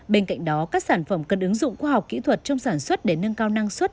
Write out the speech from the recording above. bên cạnh đó các sản phẩm cần ứng dụng khoa học kỹ thuật trong sản xuất để nâng cao năng suất